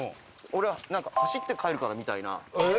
「俺は走って帰るから」みたいな。